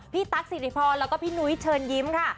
ตั๊กสิริพรแล้วก็พี่นุ้ยเชิญยิ้มค่ะ